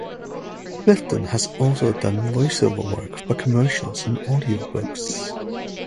Clifton has also done voice-over work for commercials and audio books.